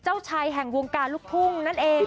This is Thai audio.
เจ้าชายแห่งวงการลูกทุ่งนั่นเอง